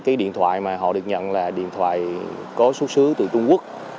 cái điện thoại mà họ được nhận là điện thoại có xuất xứ từ trung quốc